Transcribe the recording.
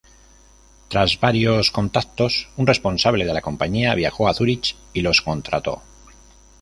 Tras varios contactos, un responsable de la compañía viajó a Zurich y los contrató.